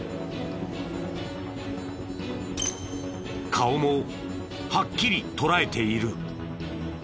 顔もはっきり捉えている。